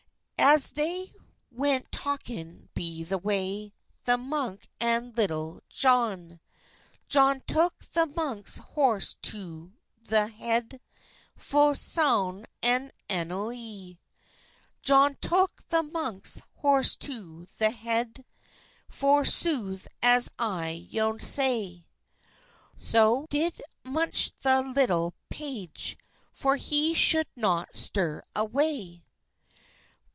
As thei went talkyng be the way, The munke an Litulle Johne, Johne toke the munkes horse be the hede Ful sone and anone. Johne toke the munkes horse be the hed, For sothe as I yow say, So did Muche the litulle page, For he shulde not stirre away.